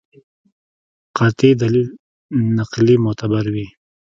قاطع دلیل نقلي معتبر وي.